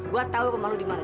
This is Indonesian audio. gua tau rumah lu di mana